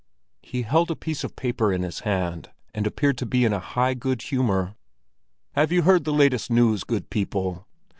He held a piece of paper in his hand, and appeared to be in high good humor. "Have you heard the latest news, good people?